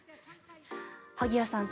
萩谷さん